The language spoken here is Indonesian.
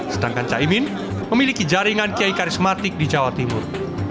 sedangkan caimin memiliki jaringan kiai karismatik di jawa timur